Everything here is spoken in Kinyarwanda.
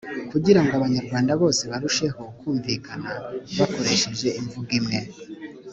kugira ngo abanyarwanda bose barusheho kumvikana bakoresheje imvugo imwe.